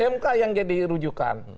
mk yang jadi rujukan